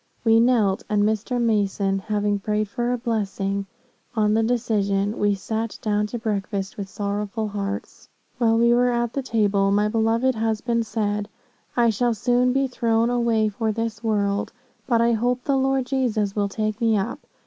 We knelt, and Mr. Mason having prayed for a blessing on the decision, we sat down to breakfast with sorrowful hearts. "While we were at the table, my beloved husband said, 'I shall soon be thrown away for this world; but I hope the Lord Jesus will take me up.